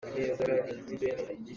Semhniang hna nih cun an hngal kho lo.